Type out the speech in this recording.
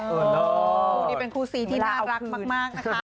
คู่นี้เป็นคู่ซีที่น่ารักมากนะคะ